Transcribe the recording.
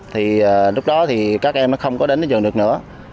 thì lúc đó các em không có đến trường được nữa